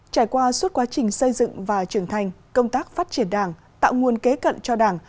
trải qua suốt quá trình xây dựng và trưởng thành công tác phát triển đảng tạo nguồn kế cận cho đảng